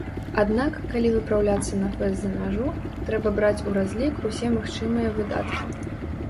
Аднак, калі выпраўляцца на фэст за мяжу, трэба браць у разлік усе магчымыя выдаткі.